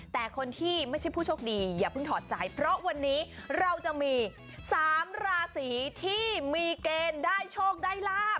แต่คนที่ไม่ใช่ผู้โชคดีอย่าเพิ่งถอดใจเพราะวันนี้เราจะมี๓ราศีที่มีเกณฑ์ได้โชคได้ลาบ